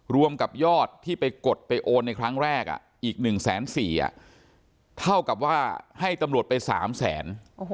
รวมกับยอดที่ไปกดไปโอนในครั้งแรกอีก๑๔๐๐เท่ากับว่าให้ตำรวจไป๓แสน